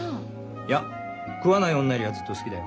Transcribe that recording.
いや食わない女よりはずっと好きだよ。